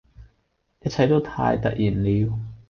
一切都太突然了